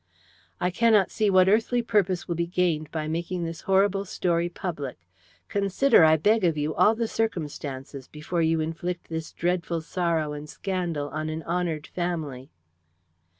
"I cannot see what earthly purpose will be gained by making this horrible story public. Consider, I beg of you, all the circumstances before you inflict this dreadful sorrow and scandal on an honoured family."